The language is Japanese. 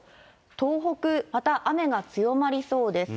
東北、また雨が強まりそうです。